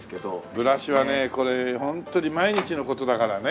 ブラシはねこれホントに毎日の事だからね。